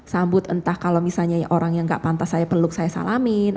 sambut entah kalau misalnya orang yang gak pantas saya peluk saya salamin